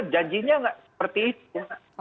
janjinya tidak seperti itu